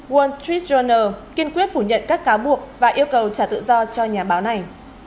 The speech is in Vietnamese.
wall street journal kiên quyết phủ nhận các cáo buộc và yêu cầu trả tự do cho nhà báo này